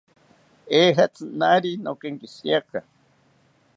Ejatzi naari nokenkishiriaka